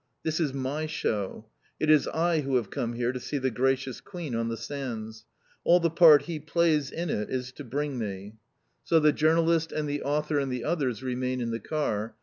This is my show. It is I who have come here to see the gracious Queen on the sands. All the part he plays in it is to bring me. So the journalist, and the author and the others remain in the car.